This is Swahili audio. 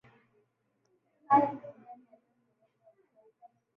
Haya ni majani yaliyo na uwezo wa kufanya